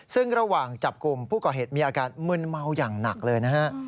ซึ่งระหว่างจับกลุ่มผู้ก่อเหตุมีอาการมึนเมาอย่างหนักเลยนะฮะ